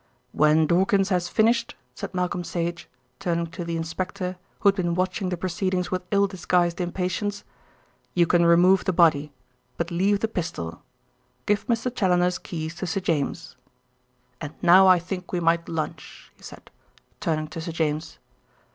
"When Dawkins has finished," said Malcolm Sage, turning to the inspector, who had been watching the proceedings with ill disguised impatience, "you can remove the body; but leave the pistol. Give Mr. Challoner's keys to Sir James. And now I think we might lunch," he said, turning to Sir James.